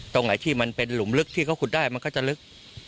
ตรงไหนที่มันเป็นหลุมลึกที่เขาขุดได้มันก็จะลึก